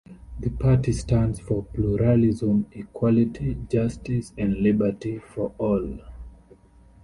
The party stands for pluralism, equality, justice and liberty for all.